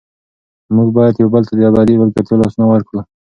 موږ باید یو بل ته د ابدي ملګرتیا لاسونه ورکړو.